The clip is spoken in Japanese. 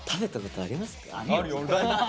あるよ。